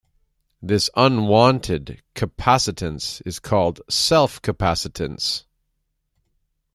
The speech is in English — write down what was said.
This unwanted capacitance is called "self-capacitance".